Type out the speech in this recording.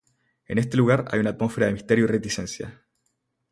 En este lugar, hay una atmósfera de misterio y reticencia.